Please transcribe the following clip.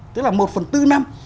tức là một phần bốn năm